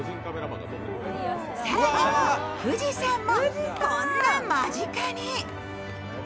更に、富士山もこんな間近に。